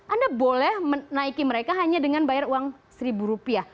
anda boleh menaiki mereka hanya dengan bayar uang seribu rupiah